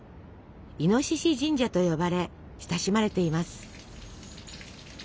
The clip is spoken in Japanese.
「イノシシ神社」と呼ばれ親しまれています。